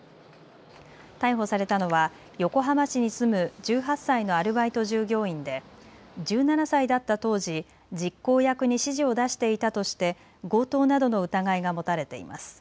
逮捕されたのは横浜市に住む１８歳のアルバイト従業員で１７歳だった当時、実行役に指示を出していたとして強盗などの疑いが持たれています。